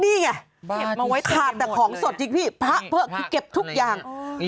นี่ไงขาดแต่ของสดจริงพระเผิกที่เก็บทุกอย่าง